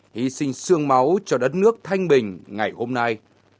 hy sinh sương máu cho đất nước thanh bình ngày hôm nay